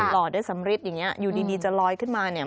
หล่อได้สำริดอย่างนี้อยู่ดีจะลอยขึ้นมาเนี่ย